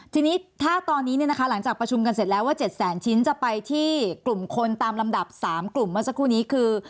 ทีนี้ถ้าตอนนี้เนี่ยนะคะหลังจากประชุมกันเสร็จแล้วว่า๗แสนชิ้นจะไปที่กลุ่มคนตามลำดับ๓กลุ่มเมื่อสักครู่นี้คือ